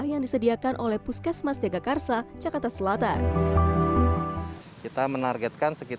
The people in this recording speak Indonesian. yang disediakan oleh puskesmas jagakarsa jakarta selatan kita menargetkan